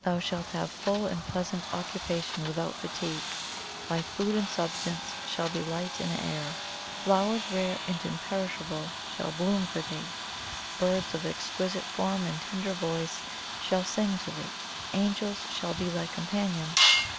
Thou shalt have full and pleasant occupation without fatigue thy food and substance shall be light and air. Flowers, rare and imperishable, shall bloom for thee; birds of exquisite form and tender voice shall sing to thee; angels shall be thy companions.